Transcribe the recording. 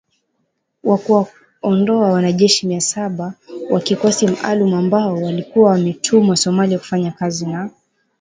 wa kuwaondoa wanajeshi mia saba wa kikosi maalum ambao walikuwa wametumwa Somalia kufanya kazi na